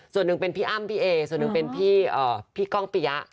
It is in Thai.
ส่วนหนึ่งเป็นพี่อ้ำพี่เอส่วนหนึ่งเป็นพี่ก้องปิยะ